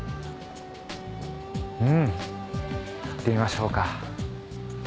うん行ってみましょうか。